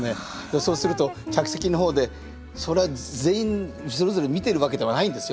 そうすると客席の方でそれは全員それぞれ見てるわけではないんですよ。